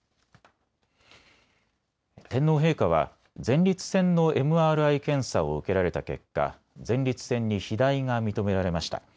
天皇陛下は前立腺のＭＲＩ検査を受けられた結果、前立腺に肥大が認められました。